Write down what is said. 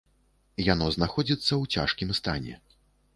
Яно знаходзіцца ў цяжкім стане.